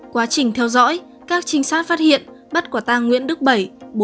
quá trình theo dõi các trinh sát phát hiện bắt quả tang nguyễn đức bảy